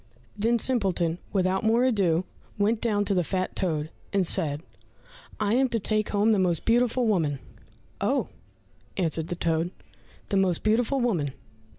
Then Simpleton without more ado went down to the fat toad, and said, "I am to take home the most beautiful woman!" "Oh," answered the toad, "the most beautiful woman!